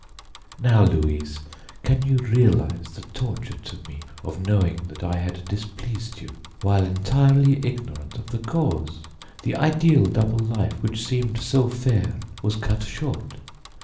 Now, Louise, can you realize the torture to me of knowing that I had displeased you, while entirely ignorant of the cause? The ideal double life which seemed so fair was cut short.